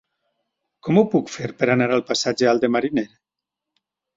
Com ho puc fer per anar al passatge Alt de Mariner?